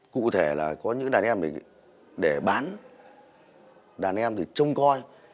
cụ thể là có những đàn em để bán đàn em thì trông coi